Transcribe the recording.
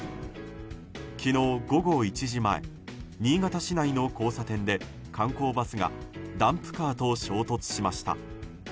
昨日午後１時前新潟市内の交差点で観光バスがダンプカーと衝突しました。